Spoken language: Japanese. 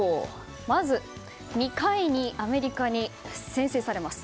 まず、２回にアメリカに先制されます。